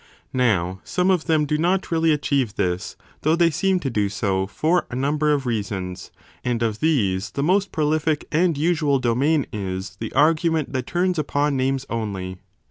Now some of them do not really achieve this, though they seem to do so for a number of reasons ; and of these the most prolific and usual domain is the argument that turns upon names only.